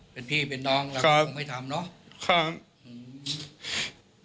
เป็นพี่เป็นน้องเราไม่ทำเนอะ